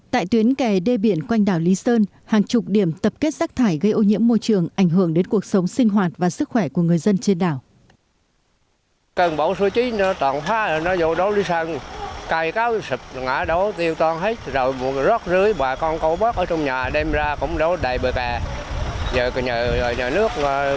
tại tuyến kè đê biển quanh đảo lý sơn hàng chục điểm tập kết rác thải gây ô nhiễm môi trường ảnh hưởng đến cuộc sống sinh hoạt và sức khỏe của người dân trên đảo